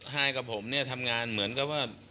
ให้กับผมเนี่ยทำงานเหมือนกับว่า